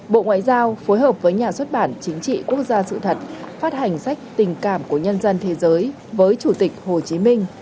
bộ ngoại giao phối hợp với nhà xuất bản chính trị quốc gia sự thật phát hành sách tình cảm của nhân dân thế giới với chủ tịch hồ chí minh